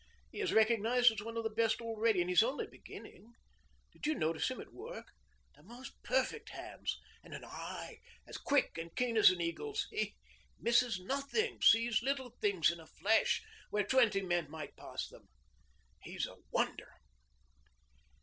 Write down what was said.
He is recognised as one of the best already, and he's only beginning. Did you notice him at work? The most perfect hands, and an eye as quick and keen as an eagle's. He misses nothing sees little things in a flash where twenty men might pass them. He's a wonder.'